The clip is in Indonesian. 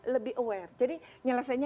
lebih aware jadi nyelesainya